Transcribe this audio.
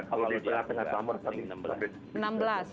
kalau di summer sampai enam belas jam